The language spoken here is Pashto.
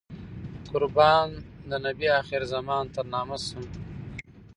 قربان د نبي اخر الزمان تر نامه شم.